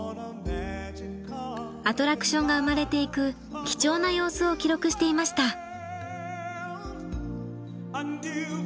アトラクションが生まれていく貴重な様子を記録していました。